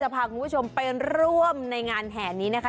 พาคุณผู้ชมไปร่วมในงานแห่นี้นะคะ